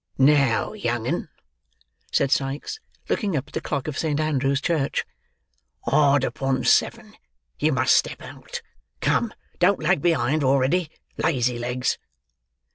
"Now, young 'un!" said Sikes, looking up at the clock of St. Andrew's Church, "hard upon seven! you must step out. Come, don't lag behind already, Lazy legs!"